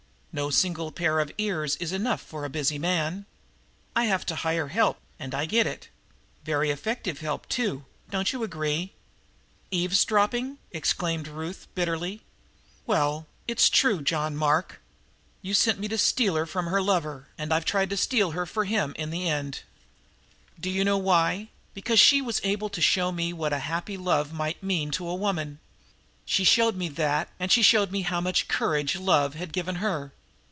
No single pair of ears is enough for a busy man. I have to hire help, and I get it. Very effective help, too, don't you agree?" "Eavesdropping!" exclaimed Ruth bitterly. "Well it's true, John Mark. You sent me to steal her from her lover, and I've tried to steal her for him in the end. Do you know why? Because she was able to show me what a happy love might mean to a woman. She showed me that, and she showed me how much courage love had given her.